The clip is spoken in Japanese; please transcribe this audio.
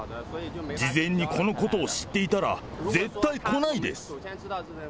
事前にこのことを知っていたら、絶対来ないです。